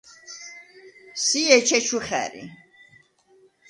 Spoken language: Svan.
სი ეჩეჩუ ხა̈რი.